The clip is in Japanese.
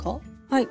はい。